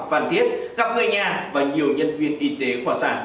phan thiết gặp người nhà và nhiều nhân viên y tế khoa sản